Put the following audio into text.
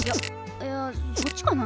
いやそっちかな？